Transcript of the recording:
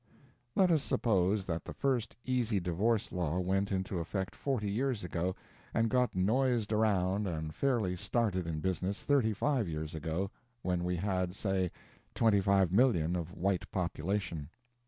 Let us suppose that the first easy divorce law went into effect forty years ago, and got noised around and fairly started in business thirty five years ago, when we had, say, 25,000,000 of white population.